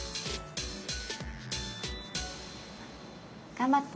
頑張って！